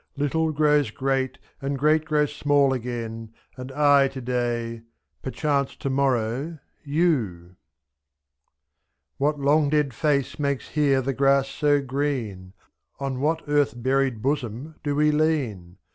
^'2'' Little grows great, and great grows small again. And I to day — perchance to morrow You! What long dead face makes here the grass so green ? On what earth buried bosom do we lean?